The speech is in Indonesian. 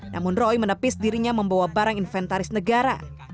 namun roy menepis dirinya membawa barang inventaris negara